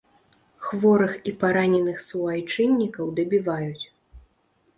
Хворых і параненых суайчыннікаў дабіваюць.